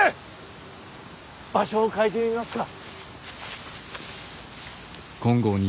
場所を変えてみますか。